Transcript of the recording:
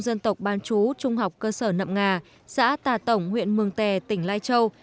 dân tộc ban trú trung học cơ sở nậm ngà xã tà tổng huyện mường tè tỉnh lai châu